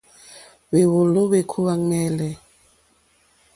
Hwéwòló hwékúwà ɱwɛ̂lɛ̂.